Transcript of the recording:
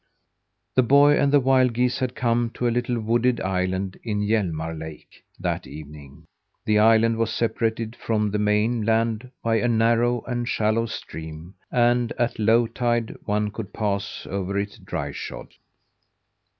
The boy and the wild geese had come to a little wooded island in Hjälmar Lake that evening. The island was separated from the main land by a narrow and shallow stream, and at low tide one could pass over it dry shod.